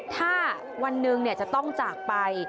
ถ้าวันหนึ่งจะต้องจากไป